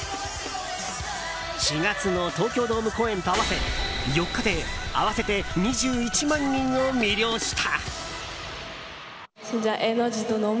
４月の東京ドーム公演と合わせ４日で合わせて２１万人を魅了した。